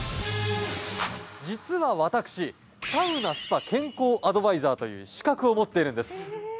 実は、私サウナ・スパ健康アドバイザーという資格を持っているんです。